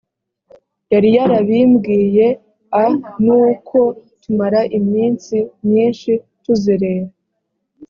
yari yarabimbwiye a nuko tumara iminsi myinshi tuzerera